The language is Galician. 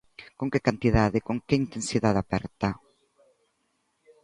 ¿Con que cantidade, con que intensidade aperta?